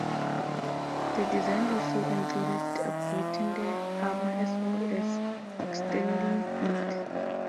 The design also included upgrading the armor as well as extending it.